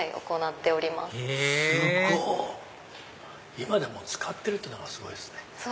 今でも使ってるってのがすごいですね